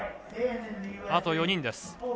あと４人です。